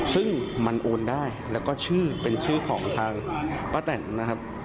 ซึ่งมันโอนได้แล้วก็ชื่อเป็นชื่อของทางป้าแต่นนะครับ